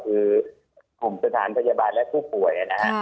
คือกลุ่มสถานพยาบาลและผู้ป่วยนะฮะ